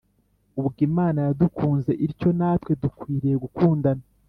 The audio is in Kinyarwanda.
ubwo Imana yadukunze ityo, natwe dukwiriye gukundana.